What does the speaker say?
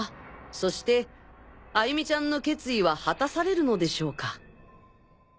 そして歩美ちゃんの決意は果たされるのでしょうか？